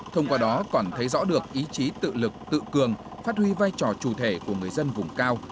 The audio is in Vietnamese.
thông qua đó còn thấy rõ được ý chí tự lực tự cường phát huy vai trò chủ thể của người dân vùng cao